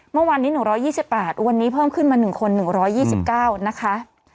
เมื่อวานนี้๑๒๘วันนี้เพิ่มขึ้นมา๑คน๑๒๙นะคะ